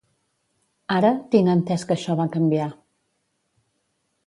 Ara, tinc entés que això va canviar.